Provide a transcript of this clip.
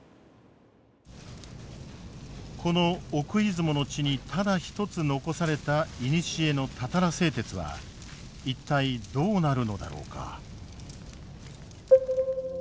この奥出雲の地にただ一つ残された古のたたら製鉄は一体どうなるのだろうか。